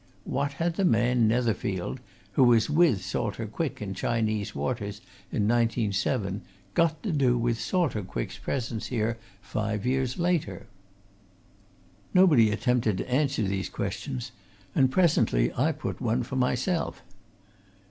What had the man Netherfield who was with Salter Quick in Chinese waters in 1907 got to do with Salter Quick's presence here five years later?" Nobody attempted to answer these questions, and presently I put one for myself.